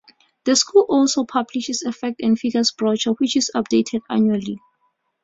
The school also publishes a Facts and Figures brochure, which is updated annually.